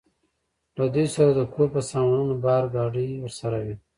له دوی سره د کور په سامانونو بار، ګاډۍ ورسره وې.